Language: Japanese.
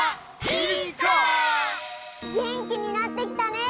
げんきになってきたねでこりん。